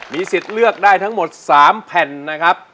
สิทธิ์เลือกได้ทั้งหมด๓แผ่นนะครับ